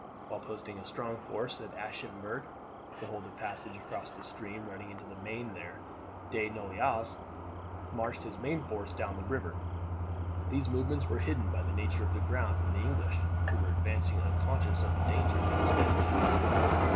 While posting a strong force at Aschaffenburg to hold the passage across a stream running into the Maine there, De Noailles marched his main force down the river; these movements were hidden by the nature of the ground from the English, who were advancing unconscious of their danger towards Dettingen.